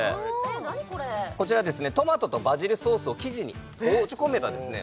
トマトとバジルソースを生地に閉じ込めたですね